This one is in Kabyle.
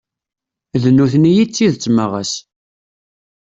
D nutni i d tidett ma ɣas.